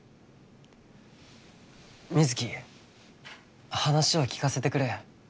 水城話を聞かせてくれ。